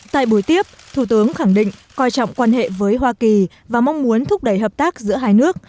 tại buổi tiếp thủ tướng khẳng định coi trọng quan hệ với hoa kỳ và mong muốn thúc đẩy hợp tác giữa hai nước